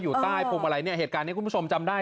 อยู่ใต้พวงมาลัยเนี่ยเหตุการณ์นี้คุณผู้ชมจำได้